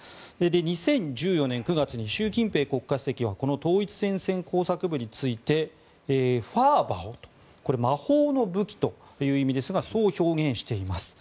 ２０１４年９月に習近平国家主席はこの統一戦線工作部について法宝とこれは魔法の武器という意味ですがそう表現しています。